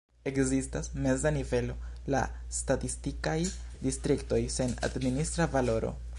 Ekzistas meza nivelo, la statistikaj distriktoj, sen administra valoro.